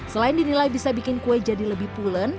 selain dinilai bisa bikin kue jadi lebih pulen